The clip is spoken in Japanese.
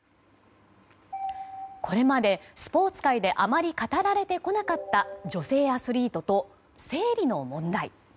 これまでスポーツ界であまり語られてこなかった女性アスリートと生理の問題。